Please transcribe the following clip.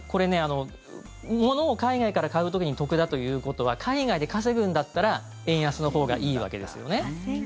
ものを海外から買う時に得だということは海外で稼ぐんだったら円安のほうがいいわけですよね。